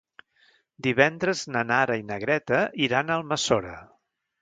Divendres na Nara i na Greta iran a Almassora.